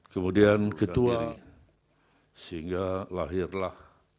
kemudian ketua sehingga lahirlah